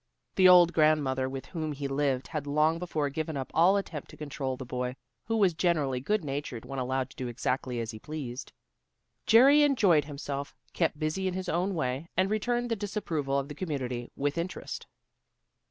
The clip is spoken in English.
The old grandmother with whom he lived had long before given up all attempt to control the boy, who was generally good natured when allowed to do exactly as he pleased. Jerry enjoyed himself, kept busy in his own way and returned the disapproval of the community with interest.